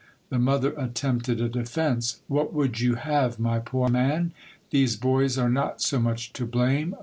" The mother attempted a defence. " What would you have, my poor man? These boys are not so much to blame.